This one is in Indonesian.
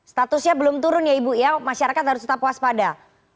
statusnya belum turun ya ibu ya masyarakat harus tetap waspada